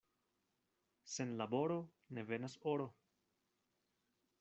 Sen laboro ne venas oro.